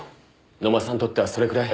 野間さんにとってはそれくらい。